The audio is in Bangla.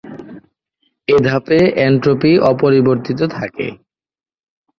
এ ধাপে এনট্রপি অপরিবর্তিত থাকে।